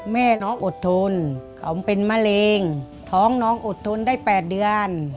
แม่น้องอดทนเขาเป็นมะเร็งท้องน้องอดทนได้๘เดือน